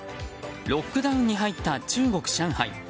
ロックダウンに入った中国・上海。